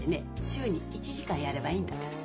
週に１時間やればいいんだから。